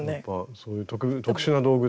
そういう特殊な道具と。